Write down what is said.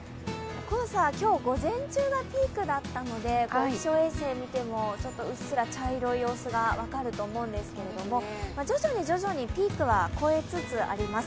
黄砂は今日午前中がピークだったので気象衛星を見ても、うっすら茶色い様子が分かると思うんですけど、徐々に徐々にピークは超えつつあります。